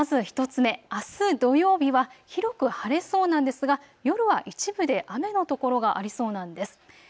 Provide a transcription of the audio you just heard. まず１点目あす土曜日は広く晴れそうなんですが夜は一部で雨の所がありそうなんです。